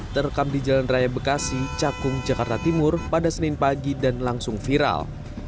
terekam di jalan raya bekasi cakung jakarta timur pada senin pagi dan langsung viral